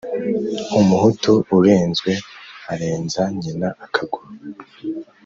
Umuhutu urenzwe arenza nyina akaguru.